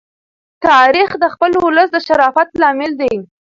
تاریخ د خپل ولس د شرافت لامل دی.